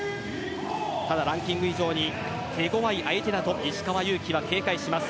ただ、ランキング以上に手強い相手だと石川祐希は警戒します。